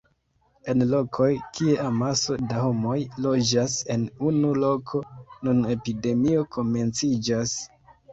En lokoj kie amaso da homoj loĝas en unu loko, nun epidemio komenciĝas.